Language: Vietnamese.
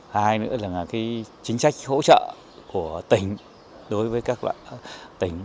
hai nữa là chính sách hỗ trợ của tỉnh đối với các loại tỉnh